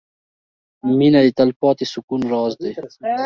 • مینه د تلپاتې سکون راز دی.